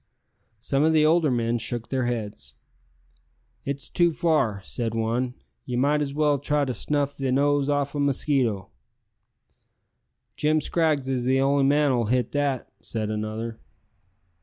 Some of the older men shook their heads. "It's too far," said one; "ye might as well try to snuff the nose o' a mosquito." "Jim Scraggs is the only man as'll hit that," said another.